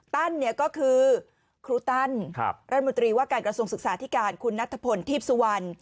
ก็คือครูตั้นรัฐมนตรีว่าการกระทรวงศึกษาธิการคุณนัทพลทีพสุวรรณ